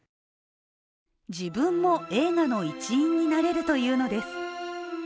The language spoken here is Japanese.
自分も映画の一員になれるというのです。